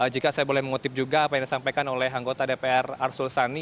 jika saya boleh mengutip juga apa yang disampaikan oleh anggota dpr arsul sani